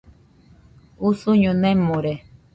Usuño nemore.